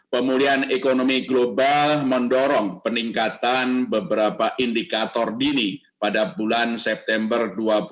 pemulihan ekonomi global mendorong peningkatan beberapa indikator dini pada bulan september